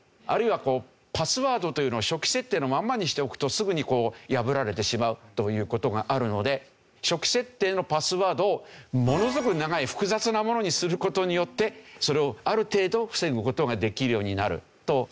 あるいはパスワードというのを初期設定のまんまにしておくとすぐに破られてしまうという事があるので初期設定のパスワードをものすごく長い複雑なものにする事によってそれをある程度防ぐ事ができるようになると。